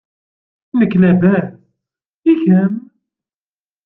Nekk labas, i kemm?